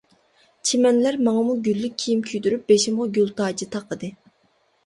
چىمەنلەر ماڭىمۇ گۈللۈك كىيىم كىيدۈرۈپ بېشىمغا گۈلتاجى تاقىدى.